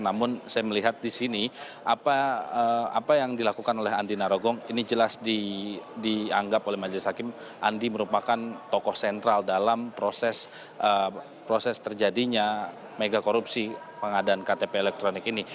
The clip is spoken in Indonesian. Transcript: namun saya melihat di sini apa yang dilakukan oleh andi narogong ini jelas dianggap oleh majelis hakim andi merupakan tokoh sentral dalam proses terjadinya mega korupsi pengadaan ktp elektronik ini